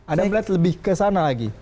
ada yang melihat lebih kesana lagi